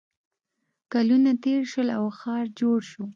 کلونه تېر شول او ښار جوړ شو